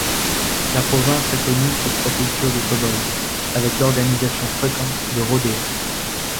La province est connue pour sa culture de cow-boy, avec l'organisation fréquente de rodéos.